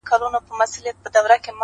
ما ويل وېره مي پر زړه پرېوته،